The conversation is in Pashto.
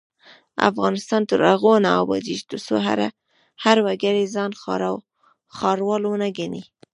افغانستان تر هغو نه ابادیږي، ترڅو هر وګړی ځان ښاروال ونه ګڼي.